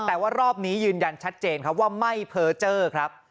แต่ว่ารอบนี้ยืนยันชัดเจนครับว่าไม่เพอร์เจอร์ครับ